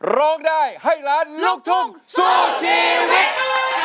ร้องได้ให้ล้านลูกทุ่งสู้ชีวิต